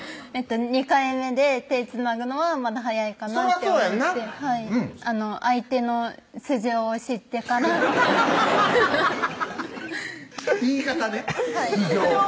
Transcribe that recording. ２回目で手つなぐのはまだ早いかなそらそうやんなうん相手の素性を知ってから言い方ね